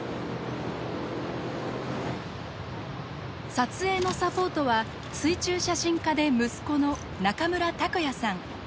撮影のサポートは水中写真家で息子の中村卓哉さん。